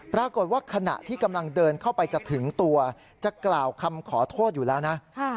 ปรากฏว่าขณะที่กำลังเดินเข้าไปจะถึงตัวจะกล่าวคำขอโทษอยู่แล้วนะ